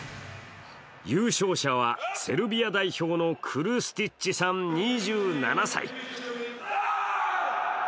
優勝者は、セルビア代表のクルスティッチさん２７歳。